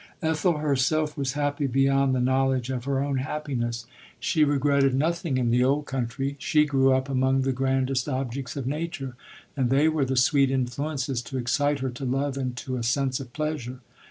Ethel herself was happy beyond the know ledge of her own happiness. She regretted no 36 LODORE. thing in the old country. She grew up among the grandest objects of nature, and they were the sweet influences to excite her to love and to a sense of pleasure.